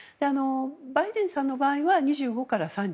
バイデンさんの場合は２５から３０。